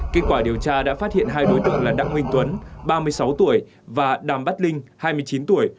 kết quả điều tra đã phát hiện hai đối tượng là đặng minh tuấn ba mươi sáu tuổi và đàm bát linh hai mươi chín tuổi